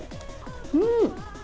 うん！